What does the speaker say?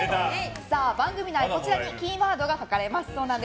番組内、こちらにキーワードが書かれます。